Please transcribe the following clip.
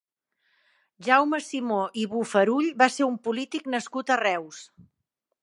Jaume Simó i Bofarull va ser un polític nascut a Reus.